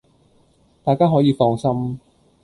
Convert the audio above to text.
大家可以放心！